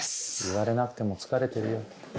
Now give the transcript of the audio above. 言われなくても疲れてるよ。